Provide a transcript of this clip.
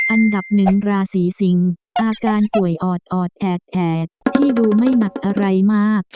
อันดับหนึ่งราศีสิงอาการป่วยออดแอดที่ดูไม่หนักอะไรมาก